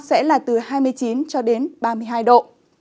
sẽ là từ hai mươi chín ba mươi hai độ